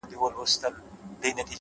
هوښیار انسان د اورېدو هنر لري’